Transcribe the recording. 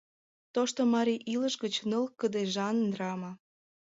Тошто марий илыш гыч ныл кыдежан драма